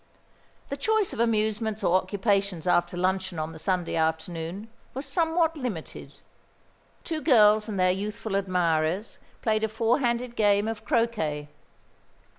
The choice of amusements or occupations after luncheon on this Sunday afternoon was somewhat limited. Two girls and their youthful admirers played a four handed game of croquet.